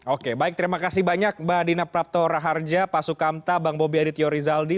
oke baik terima kasih banyak mbak dina prapto raharja pak sukamta bang bobi aditya rizaldi